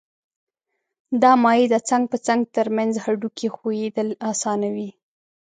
دا مایع د څنګ په څنګ تر منځ هډوکو ښویېدل آسانوي.